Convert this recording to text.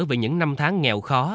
vì những năm tháng nghèo khó